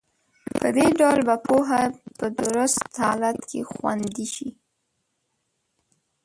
په دې ډول به پوهه په درست حالت کې خوندي شي.